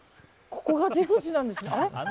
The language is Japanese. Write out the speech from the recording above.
ここが出口なんですか？